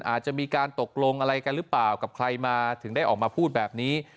อาจจะมีการตกลงอะไรกันหรือเปล่ากับใครมาถึงได้ออกมาพูดแบบนี้